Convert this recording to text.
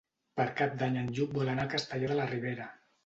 Per Cap d'Any en Lluc vol anar a Castellar de la Ribera.